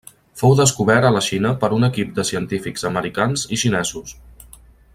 Fou descobert a la Xina per un equip de científics americans i xinesos.